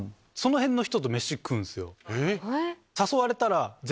えっ？